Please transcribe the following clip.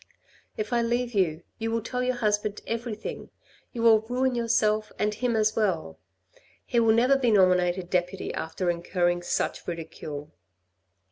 If I leave you you will tell your husband everything. You will ruin yourself and him as well. He will never be nominated deputy after incurring such ridicule.